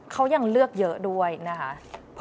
เขายังเลือกเยอะด้วยนะคะ